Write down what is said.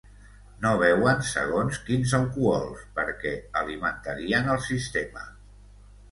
No beuen segons quins alcohols perquè alimentarien el sistema.